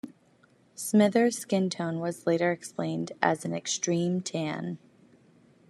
Smithers' skin tone was later explained as an "extreme tan".